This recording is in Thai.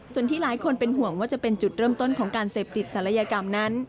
ส่วนที่หลายคนเป็นห่วงว่าจะเป็นจุดเริ่มต้นของการเสพติดศัลยกรรมนั้น